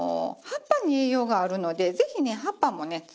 葉っぱに栄養があるのでぜひね葉っぱもね